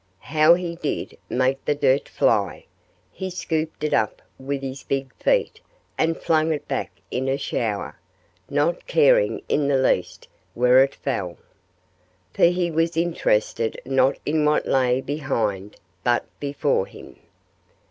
How he did make the dirt fly! He scooped it up with his big feet and flung it back in a shower, not caring in the least where it fell. For he was interested not in what lay behind, but before him.